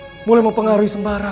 hai mulai mempengaruhi sembara